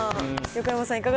横山さん。